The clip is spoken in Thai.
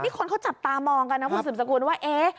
นี่คนเขาจับตามองกันนะคุณสืบสกุลว่า